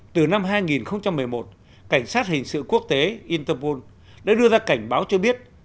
từ năm hai nghìn một mươi một cảnh sát hình sự quốc tế interpol đã đưa ra cảnh báo cho biết